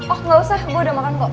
oh gak usah gue udah makan kok